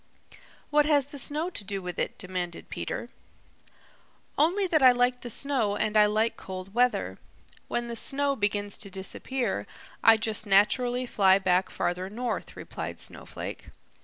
"What has the snow to do with it?" demanded Peter. "Only that I like the snow and I like cold weather. When the snow begins to disappear, I just naturally fly back farther north," replied Snowflake.